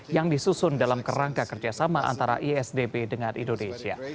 yang disusun dalam kerangka kerjasama antara isdp dengan indonesia